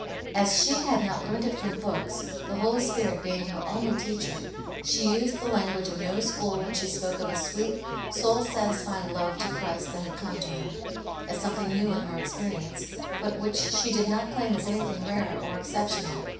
As she had not learned it from books, the Holy Spirit being her only teacher, she used the language of no school when she spoke of a sweet, soul satisfying love to Christ that had come to her, as something new in her ex perience, but which she did not claim as anything rare or exceptional.